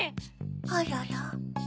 あらら。